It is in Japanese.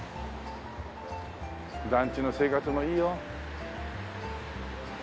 団地の生活もいいよ。